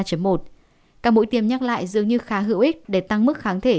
các mũi tiêm nhắc lại dường như khá hữu ích để tăng mức kháng thể